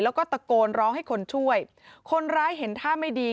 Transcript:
แล้วก็ตะโกนร้องให้คนช่วยคนร้ายเห็นท่าไม่ดี